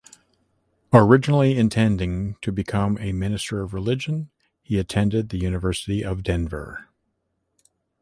Originally intending to become a minister of religion, he attended the University of Denver.